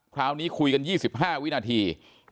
คราวนี้คุยกัน๒๕วินาที